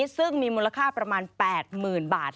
ซึ่งมีมูลค่าประมาณ๘๐๐๐บาท